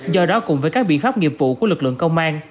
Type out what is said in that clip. do đó cùng với các biện pháp nghiệp vụ của lực lượng công an